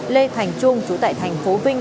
lê thành trung chú tại thành phố vinh